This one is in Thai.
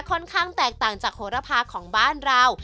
ค่อนข้างแตกต่างจากโหระพาของบ้านเรา